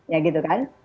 ya gitu kan